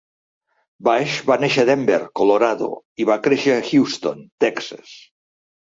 Bush va néixer a Denver, Colorado, i va créixer a Houston, Texas.